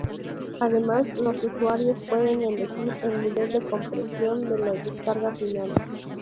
Además los usuarios pueden elegir el nivel de compresión de la descarga final.